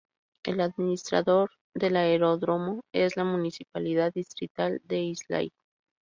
El administrador del aeródromo es la Municipalidad Distrital de Islay.